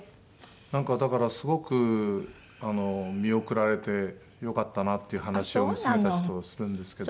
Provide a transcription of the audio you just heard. なんかだからすごく見送られてよかったなっていう話を娘たちとはするんですけど。